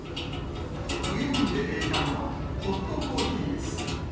飛ぶように出ていたのは、ホットコーヒーです。